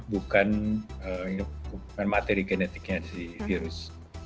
bukan materi genetiknya si virus